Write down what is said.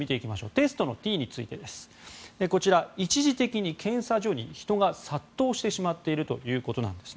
テストのＴについて一時的に検査所に人が殺到してしまっているということなんです。